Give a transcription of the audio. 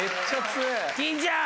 金ちゃん！